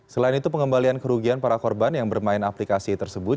selain itu pengembalian kerugian para korban yang bermain aplikasi tersebut